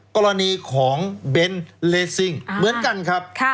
กรณีของเบนท์เลซิ่งเหมือนกันครับ